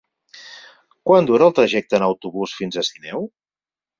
Quant dura el trajecte en autobús fins a Sineu?